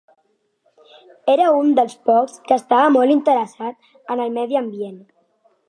Era un dels pocs que estava molt interessat en el medi ambient.